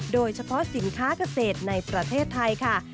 โดยเฉพาะสินค้าเกษตรในประเทศไทยค่ะ